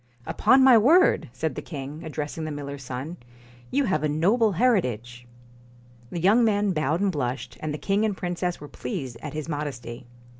1 Upon my word !' said the king, addressing the miller's son, ' you have a noble heritage.' The young man bowed and blushed; and the king and princess were pleased at his modesty.